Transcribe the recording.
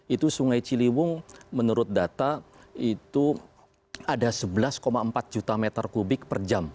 itu sungai ciliwung menurut data itu ada sebelas empat juta meter kubik per jam